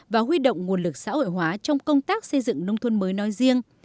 và huy động nguồn lực xã hội hóa trong công tác xây dựng nông thôn mới nói riêng